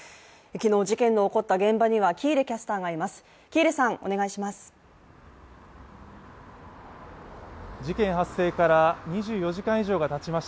昨日事件の起こった現場には喜入キャスターがいます、お願いします。